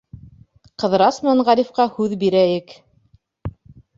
— Ҡыҙырас менән Ғарифҡа һүҙ бирәйек.